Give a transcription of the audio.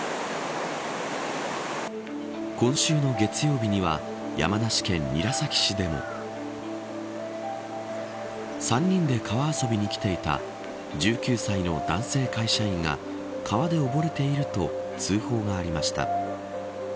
今週の月曜日には山梨県韮崎市でも３人で川遊びに来ていた１９歳の男性会社員が川で溺れていると通報がありました。